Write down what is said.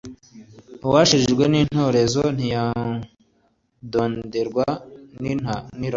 Uwashirijwe n’intorezo ntiyadonderwa n’irago.